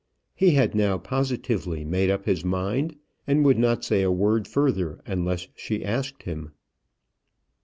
He had now positively made up his mind, and would say not a word further unless she asked him.